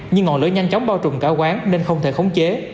nhưng ngọn lửa nhanh chóng bao trùm cả quán nên không thể khống chế